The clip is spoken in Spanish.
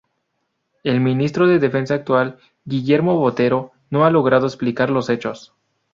El ministro de defensa actual, Guillermo Botero, no ha logrado explicar los hechos.